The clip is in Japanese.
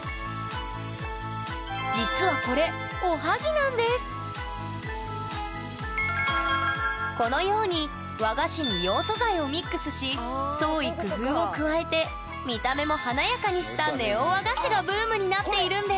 実はこれこのように和菓子に創意工夫を加えて見た目も華やかにしたネオ和菓子がブームになっているんです！